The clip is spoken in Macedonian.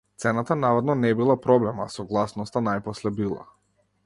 Цената наводно не била проблем, а согласноста најпосле била.